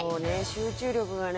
集中力がね」